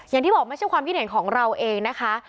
อย่างที่บอกไม่ใช่ความคิดเห็นของเราเองนะคะ